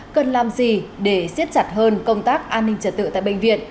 cần làm gì để siết chặt hơn công tác an ninh trật tự tại bệnh viện